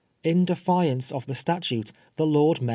In defiance of the statute, the Lord Mayor MB.